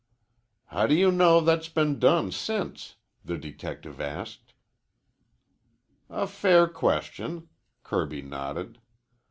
"How do you know that's been done since?" the detective asked. "A fair question," Kirby nodded.